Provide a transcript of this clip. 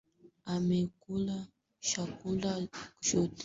Amekula chakula chote.